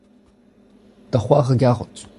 da c'hoar a garot.